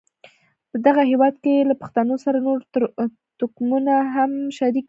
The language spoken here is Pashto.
په دغه هېواد کې له پښتنو سره نور توکمونه هم شریک دي.